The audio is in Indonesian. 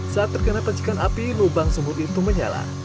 saat terkena pacikan api lubang sumur itu menyala